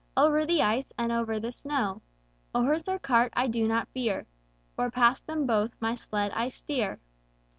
Over the ice, and over the snow; A horse or cart I do not fear. For past them both my sled I steer.